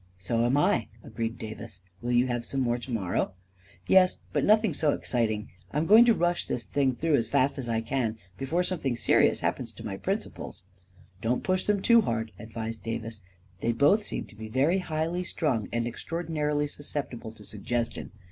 " So am I," agreed Davis. " Will you have some more to morrow? "" Yes — but nothing so exciting. I am going to rush this thing through as fast as I can, before some thing serious happens to my principals. 91 " Don't push them too hard/ 9 advised Davis. " They both seem to be very highly strung and ex traordinary susceptible to suggestion.